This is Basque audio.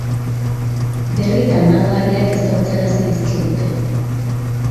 Berri tamalgarriak ezagutarazi dizkigute.